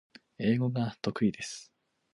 英語が得意です